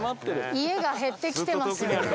家が減ってきてますよね。